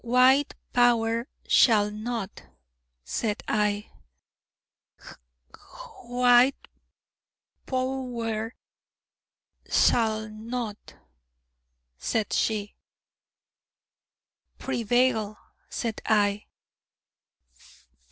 'White Power shall not,' said I. 'Hwhite Pow wer sall not,' said she. 'Prevail,' said I.